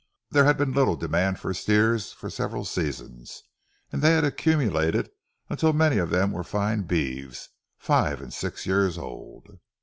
There had been little demand for steers for several seasons and they had accumulated until many of them were fine beeves, five and six years old.